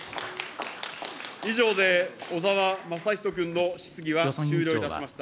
以上で小沢雅仁君の質疑は終了いたしました。